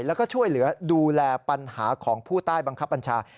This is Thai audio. แล้วก็ช่วยเหลือดูแลปัญหาของผู้ใต้บังคับบัญชา